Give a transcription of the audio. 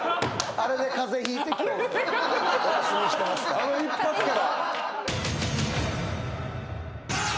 あの一発から！